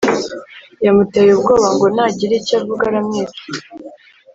Yamuteye ubwoba ngo nagira icyo avuga aramwica